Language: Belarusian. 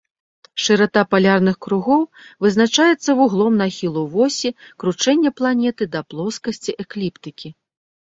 Шырата палярных кругоў вызначаецца вуглом нахілу восі кручэння планеты да плоскасці экліптыкі.